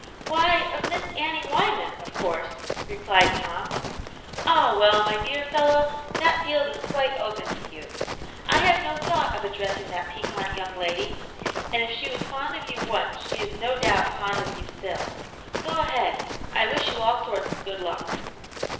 " Why, of Miss Annie Wyman, of course," replied Tom. " Ah, well, my dear fellow, that field is quite open to you. I have no thought' of addressing that piquant young lady, and if she was fond of you once she is no doubt fond of you still. Go ahead. I wish you all sorts of good luck."